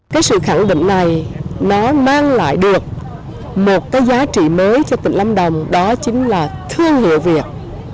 cái sự khẳng định này nó mang lại được một cái giá trị mới cho tỉnh lâm đồng đó chính là thương hiệu việt